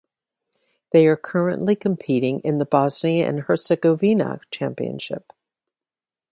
They are currently competing in the Bosnia and Herzegovina Championship.